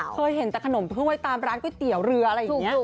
เคยเห็นแต่ขนมห้วยตามร้านก๋วยเตี๋ยวเรืออะไรอย่างนี้